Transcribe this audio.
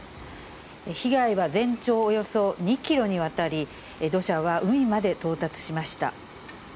被害は全長およそ２キロにわたり、土砂は海まで到達しました。